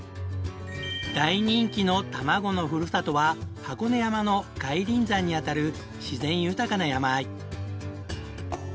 大人気のたまごのふるさとは箱根山の外輪山にあたる自然豊かな山あい。